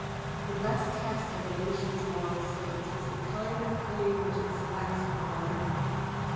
The best test of a nation's moral state is the kind of claim which it selects for honour.